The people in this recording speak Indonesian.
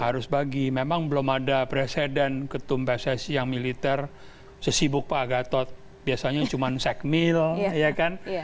harus bagi memang belum ada presiden ketum pssi yang militer sesibuk pak gatot biasanya cuma segmil ya kan